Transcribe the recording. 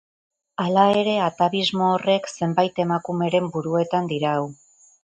Hala ere, atabismo horrek zenbait emakumeren buruetan dirau.